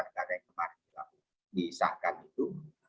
di klhs yang kemarin sudah disahkan itu